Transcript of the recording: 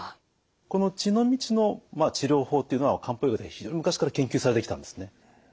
この血の道の治療法っていうのは漢方医学で非常に昔から研究されてきたんですね。